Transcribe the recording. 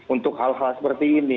untuk hal hal seperti ini